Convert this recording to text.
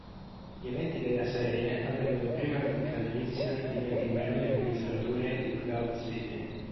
Gli eventi della serie avvengono prima che Calrissian diventi Barone Amministratore di Cloud City.